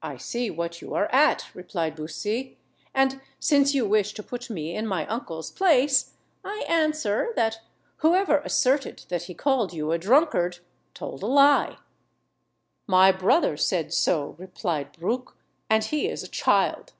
"I see what you are at," replied Bussy, "and, since you wish to put me in my uncle's place, I answer, that whoever asserted that he called you a drunkard, told a lie!" "My brother said so," replied Bruc, "and he is a child."